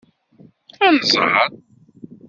Ad nẓeṛ.